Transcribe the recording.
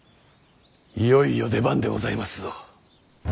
いよいよ出番でございますぞ。